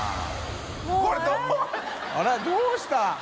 あれどうした？